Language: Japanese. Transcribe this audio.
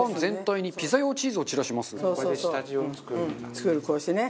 作るのこうしてね。